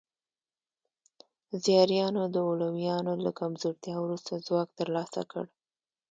زیاریانو د علویانو له کمزورتیا وروسته ځواک ترلاسه کړ.